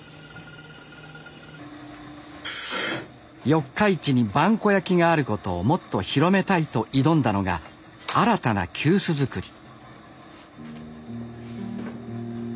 四日市に萬古焼があることをもっと広めたいと挑んだのが新たな急須作り。